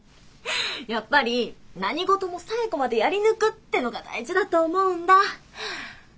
やっぱり何事も最後までやり抜くってのが大事だと思うんだ。